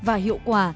và hiệu quả